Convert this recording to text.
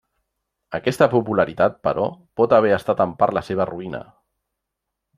Aquesta popularitat, però, pot haver estat en part la seva ruïna.